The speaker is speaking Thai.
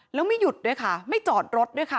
แล้วไม่หยุดด้วยค่ะไม่จอดรถด้วยค่ะ